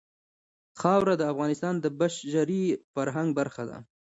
خاوره د افغانستان د بشري فرهنګ برخه ده.